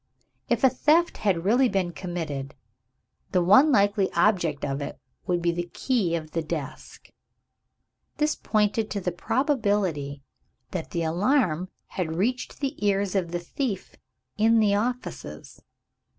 If a theft had really been committed, the one likely object of it would be the key of the desk. This pointed to the probability that the alarm had reached the ears of the thief in the offices.